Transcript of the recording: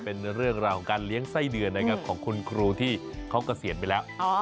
เป็นเรื่องราวของการเลี้ยงไส้เดือนนะครับของคุณครูที่เขาเกษียณไปแล้ว